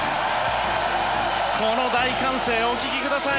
この大歓声をお聞きください！